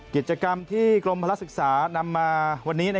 กิจกรรมที่กรมพลักษึกษานำมาวันนี้